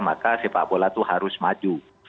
maka sepak bola itu harus maju